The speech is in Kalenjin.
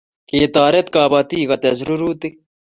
Ketoret kapatik kutes rurutik